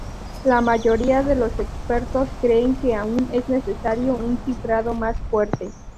La mayoría de los expertos creen que aún es necesario un cifrado más fuerte.